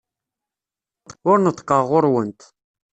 Ur neṭṭqeɣ ɣer-went.